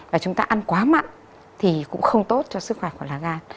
và chúng ta ăn quá mặn thì cũng không tốt cho sức khỏe của lá gan